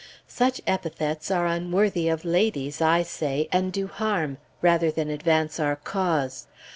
Such epithets are unworthy of ladies, I say, and do harm, rather than advance our cause.